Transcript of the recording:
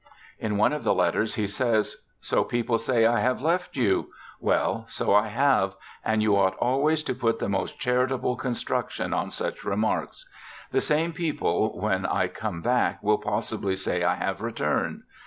In one of the letters he says, ' So people say I have left you ? Well, so I have, and you ought always to put the most charitable con struction on such remarks ; the same people when I come back will possibly say I have returned.